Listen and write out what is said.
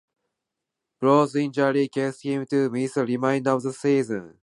Brown's injury caused him to miss the remainder of the season.